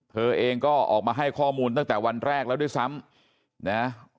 เธอเองก็ออกมาให้ข้อมูลตั้งแต่วันแรกแล้วด้วยซ้ำนะ